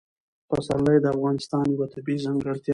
پسرلی د افغانستان یوه طبیعي ځانګړتیا ده.